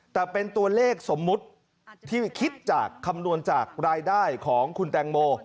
แต่เป็นตัวเลขสมมุติที่คิดจากคำนวณจากรายได้ของคุณแตงโม